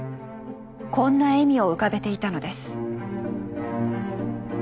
こんな笑みを浮かべていたのです。